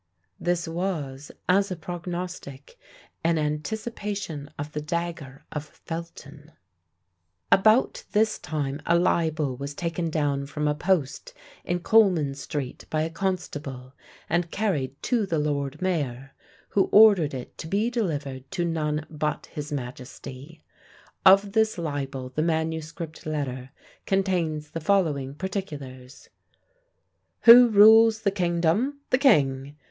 This was, as a prognostic, an anticipation of the dagger of Felton! About this time a libel was taken down from a post in Coleman street by a constable and carried to the lord mayor, who ordered it to be delivered to none but his majesty. Of this libel the manuscript letter contains the following particulars: /P Who rules the kingdom? The king.